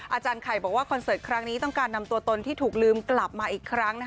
อาจารย์ไข่บอกว่าคอนเสิร์ตครั้งนี้ต้องการนำตัวตนที่ถูกลืมกลับมาอีกครั้ง